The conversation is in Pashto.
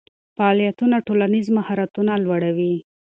فعالیتونه ټولنیز مهارتونه لوړوي.